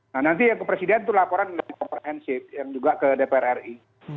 nah nanti yang ke presiden itu laporan yang komprehensif yang juga ke dpr ri